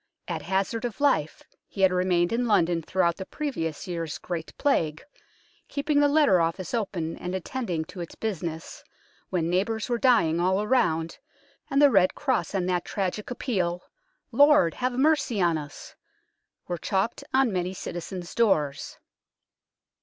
At hazard of life he had remained in London throughout the previous year's Great Plague, keeping the letter office open and at tending to its business, when neighbours were dying all around, and the red cross and that tragic appeal, " Lord, have mercy on us !" were chalked on many citizens' doors.